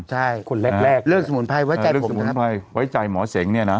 ใช่คนแรกแรกเรื่องสมุนไพรไว้ใจผมนะครับเรื่องสมุนไพรไว้ใจหมอเศงเนี้ยนะ